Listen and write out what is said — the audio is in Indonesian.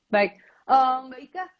baik mbak ika